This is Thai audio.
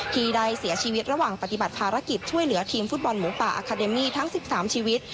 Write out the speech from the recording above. ที่ได้เสียชีวิตระหว่างปฏิบัติภารกิจช่วยเหลือทีมฟุตบอลหมูป่าอาคาเดมี่ทั้ง๑๓ชีวิต